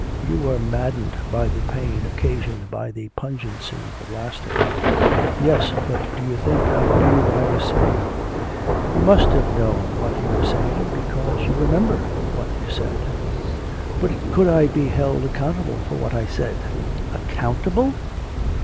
you were maddened by the pain occasioned by the pungency of the plaster.' 'Yes; but do you think I knew what I was saying?' 'You must have known what you were saying because you remember what you said.' 'But could I be held accountable for what I said?' 'Accountable?